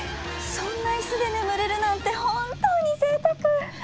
そんな椅子で眠れるなんて本当にぜいたく！